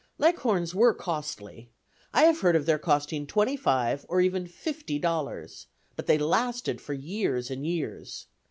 Leghorns were costly. I have heard of their costing twenty five or even fifty dollars: but they lasted for years and years.